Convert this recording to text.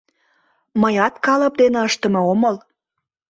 Мыят калып дене ыштыме омыл.